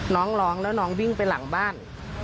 น้องร้องแล้วน้องวิ่งไปหลังบ้าน